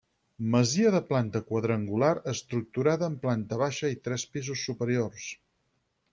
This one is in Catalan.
Masia de planta quadrangular estructurada en planta baixa i tres pisos superiors.